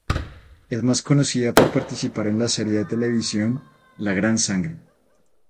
Es más conocida por participar en la serie de televisión "La gran sangre".